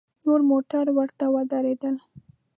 نور موټر ورته ودرېدل.